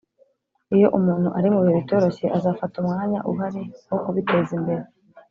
iyo umuntu ari mubihe bitoroshye, azafata umwanya uhari wo kubitezimbere.